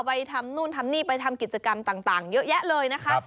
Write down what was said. ไปทำนู่นทำนี่ไปทำกิจกรรมต่างเยอะแยะเลยนะคะ